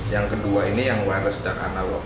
yang kedua ini yang wireh dan analog